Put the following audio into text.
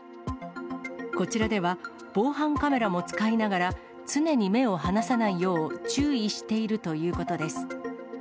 こちらでは、防犯カメラも使いながら、常に目を離さないよう注意しているということです。